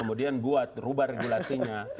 kemudian buat rubah regulasinya